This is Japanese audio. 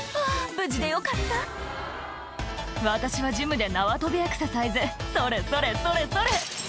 無事でよかった「私はジムで縄跳びエクササイズ」「それそれそれそれ」